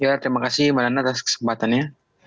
ya terima kasih badan atas kesempatannya